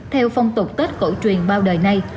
theo phong tục tết cổ truyền bao đời này